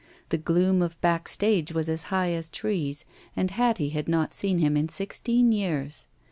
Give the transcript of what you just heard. The gloom of back stage was as high as trees and Hattie had not seen him in sixteen years.